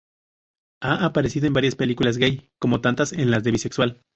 Ha aparecido en varias películas gay como tantas en las de bisexual.